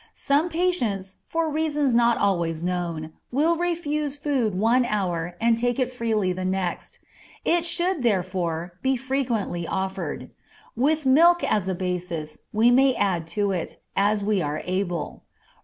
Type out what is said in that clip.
Some patients, for reasons not always known, will refuse food one hour and take it freely the next; it should, therefore, be frequently offered. With milk as a basis, we may add to it, as we are able.